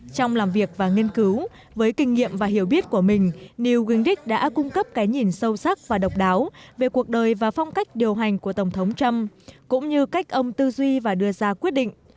trong làm việc và nghiên cứu với kinh nghiệm và hiểu biết của mình new guindic đã cung cấp cái nhìn sâu sắc và độc đáo về cuộc đời và phong cách điều hành của tổng thống trump cũng như cách ông tư duy và đưa ra quyết định